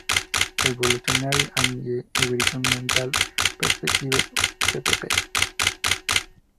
Evolutionary and Environmental Perspectives", pp.